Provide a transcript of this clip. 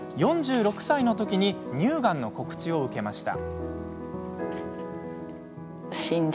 ４６歳の時に乳がんの告知を受けました。